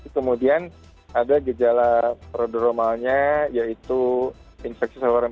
kemudian ada gejala prodromalnya yaitu infeksi seorang anak